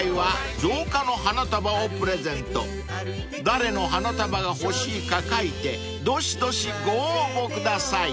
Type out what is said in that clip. ［誰の花束が欲しいか書いてどしどしご応募ください］